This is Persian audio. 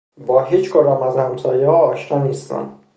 با هیچکدام از همسایهها آشنا نیستم.